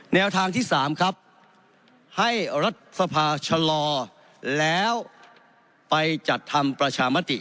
แนวทางที่๓ครับให้รัฐสภาชะลอแล้วไปจัดทำประชามติ